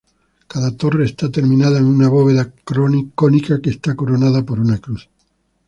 Cada torre está terminada en una bóveda cónica que está coronada por una cruz.